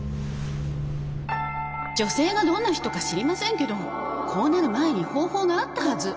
「女性がどんな人か知りませんけどこうなる前に方法があったはず。